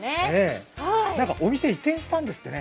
お店移転したんですってね。